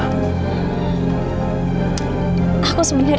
aku sebenarnya juga gak tau apa apa soal ini